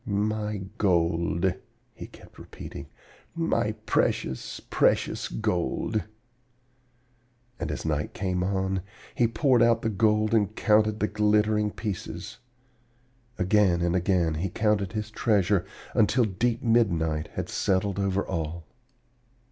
'My gold,' he kept repeating, 'my precious, precious gold!' And as night came on, he poured out the gold and counted the glittering pieces. Again and again he counted his treasure until deep midnight had settled over all.